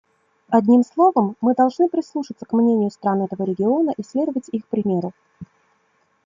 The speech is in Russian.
Одним словом, мы должны прислушаться к мнению стран этого региона и следовать их примеру.